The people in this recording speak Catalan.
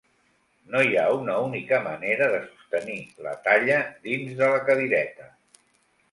No hi ha una única manera de sostenir la talla dins de la cadireta.